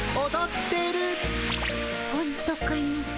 ほんとかの。